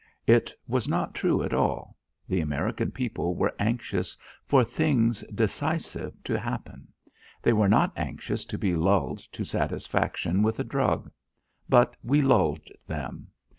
It was not true, at all. The American people were anxious for things decisive to happen; they were not anxious to be lulled to satisfaction with a drug. But we lulled them.